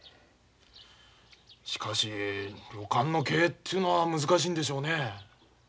しかし旅館の経営というのは難しいんでしょうね。